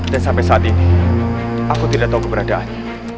dan sampai saat ini aku tidak tahu keberadaannya